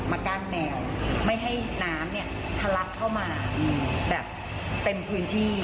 กั้นแนวไม่ให้น้ำเนี่ยทะลักเข้ามาแบบเต็มพื้นที่